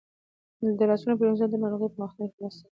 د لاسونو پریمنځل د ناروغیو په مخنیوي کې مرسته کوي.